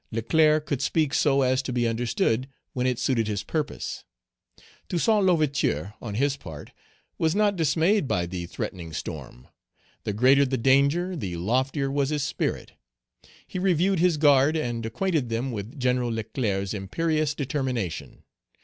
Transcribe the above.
Leclerc could speak so as to be understood, when it suited his purpose. Toussaint L'Ouverture, on his part, was not dismayed by the threatening storm. The greater the danger the loftier was his spirit; he reviewed his guard, and acquainted them with General Leclerc's imperious determination.